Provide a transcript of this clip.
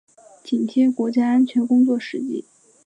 紧贴国家安全工作实际